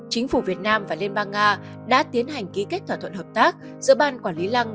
chính phủ việt nam và liên bang nga đã tiến hành ký kết thỏa thuận hợp tác giữa ban quản lý lăng